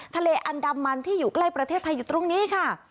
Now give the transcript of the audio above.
ทะเลอันดามันที่อยู่ใกล้ประเทศไทยอยู่ตรงนี้ค่ะ